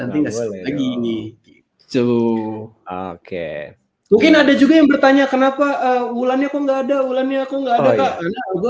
nih itu oke mungkin ada juga yang bertanya kenapa wulannya kok nggak ada wulannya kok nggak